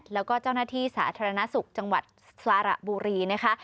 แล้วก็เจ้าหน้าที่สาธารณสุขจังหวัดสระบุรีนะคะ